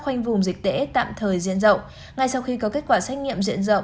khoanh vùng dịch tễ tạm thời diện rộng ngay sau khi có kết quả xét nghiệm diện rộng